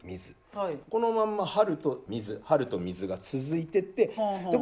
このまんま春と水春と水が続いてって